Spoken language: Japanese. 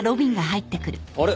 あれ？